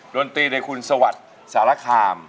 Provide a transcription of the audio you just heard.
โรงตีโดยคุณสวัสดิ์สหคราม